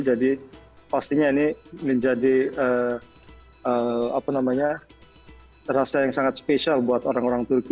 jadi pastinya ini menjadi rasa yang sangat spesial buat orang orang turki